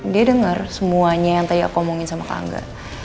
dia denger semuanya yang tadi aku omongin sama kangga